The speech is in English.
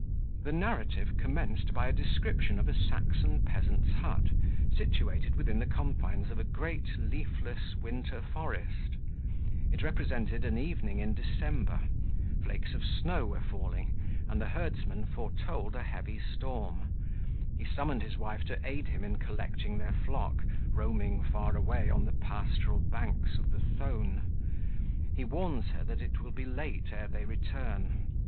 The narrative commenced by a description of a Saxon peasant's hut, situated within the confines of a great, leafless, winter forest; it represented an evening in December; flakes of snow were falling, and the herdsman foretold a heavy storm; he summoned his wife to aid him in collecting their flock, roaming far away on the pastoral banks of the Thone; he warns her that it will be late ere they return.